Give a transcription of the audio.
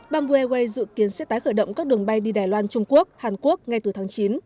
bamboo airways dự kiến sẽ tái khởi động các đường bay đi đài loan trung quốc hàn quốc ngay từ tháng chín